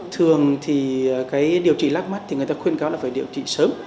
thường thì cái điều trị lác mắt thì người ta khuyên cáo là phải điều trị sớm